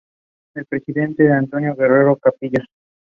They also hoped for railways and to find ore.